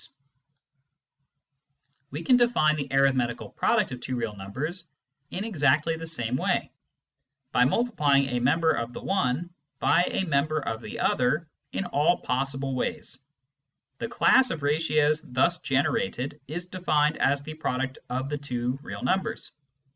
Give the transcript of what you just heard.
74 Introduction to Mathematical Philosophy We can define the arithmetical product of two real numbers in exactly the same way, by multiplying a member of the one by a member of the other in all possible ways. The class of ratios thus generated is defined as the product of the two real numbers.